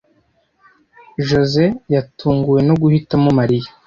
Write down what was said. Josehl yatunguwe no guhitamo Mariya.